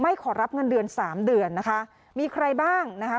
ขอรับเงินเดือนสามเดือนนะคะมีใครบ้างนะคะ